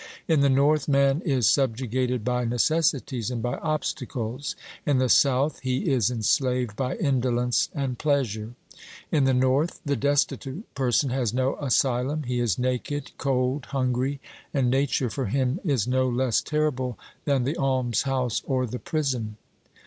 In the north man is sub jugated by necessities and by obstacles ; in the south he is enslaved by indolence and pleasure. In the north the destitute person has no asylum ; he is naked, cold, hungry, and Nature for him is no less terrible than the almshouse or the prison.